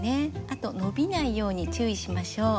あと伸びないように注意しましよう。